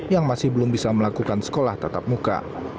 yang masih belum bisa melakukan sekolah tatap muka